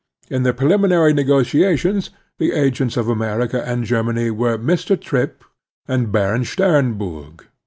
In the preliminary negotiations the agents of America and Germany were Mr. Tripp and Baron Stemburg.